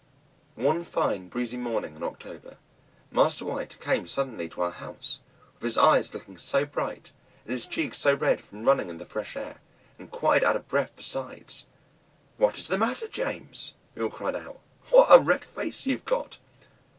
One fine, breezy morning in October, Master White came suddenly to our house, with his eyes looking so bright, and his cheeks so red from running in the fresh air, and quite out of breath besides. "What is the matter, James?" we all cried out. "What a red face you've got!"